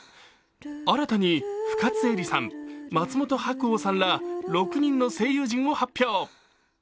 新たに深津絵里さん、松本白鸚さんら６人の声優陣を発表。